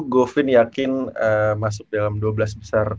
govin yakin masuk dalam dua belas besar